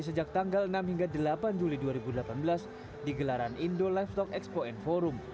sejak tanggal enam hingga delapan juli dua ribu delapan belas di gelaran indo live stock expo and forum